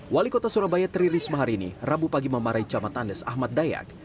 wali kota surabaya tririsma harini rabu pagi memarahi camat tandes ahmad dayak